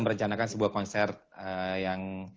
merencanakan sebuah konser yang